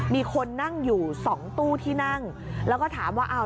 มีคนนั่งอยู่สองตู้ที่นั่งแล้วก็ถามว่าอ้าว